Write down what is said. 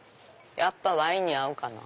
やっぱワインに合うかな。